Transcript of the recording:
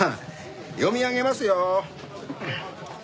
読み上げますよ。